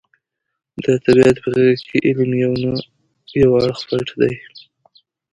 د طبیعت په غېږه کې علم یو نه یو اړخ پټ دی.